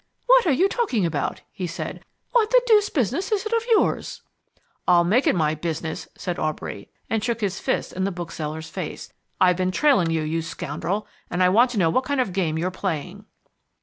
"What are you talking about?" he said. "What the deuce business is it of yours?" "I'll make it my business," said Aubrey, and shook his fist in the bookseller's face. "I've been trailing you, you scoundrel, and I want to know what kind of a game you're playing."